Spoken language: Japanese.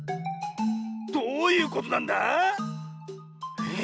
どういうことなんだ⁉えっ。